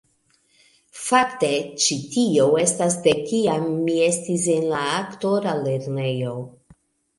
Fakte, ĉi tio estas de kiam mi estis en la aktora lernejo